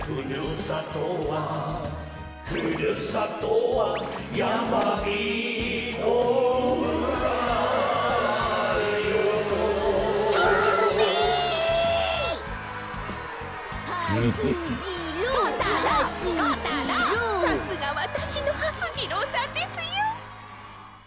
さすがわたしのはす次郎さんですよ。